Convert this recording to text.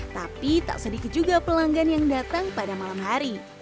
tapi tak sedikit juga pelanggan yang datang pada malam hari